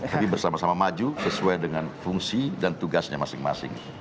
tapi bersama sama maju sesuai dengan fungsi dan tugasnya masing masing